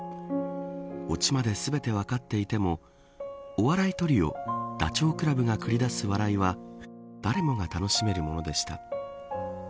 オチまで全て分かっていてもお笑いトリオダチョウ倶楽部が繰り出す笑いは誰もが楽しめるものでした。